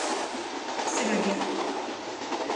C'est la guerre.